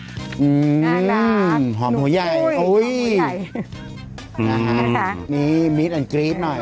น่ารักหอมหัวใหญ่อุ้ยหอมหัวใหญ่อืมนี่มีดอันกรี๊บหน่อย